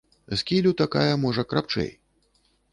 З кілю такая, можа, крапчэй.